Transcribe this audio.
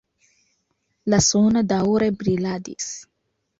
La suno daŭre briladis.